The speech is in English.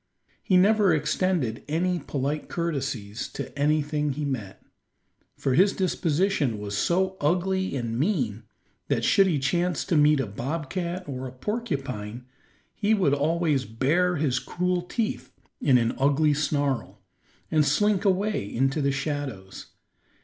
He never extended any polite courtesies to anything he met, for his disposition was so ugly and mean that should he chance to meet a bobcat or a porcupine, he would always bare his cruel teeth in an ugly snarl, and slink away into the shadows.